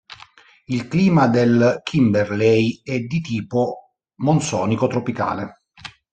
Il clima del Kimberley è di tipo monsonico tropicale.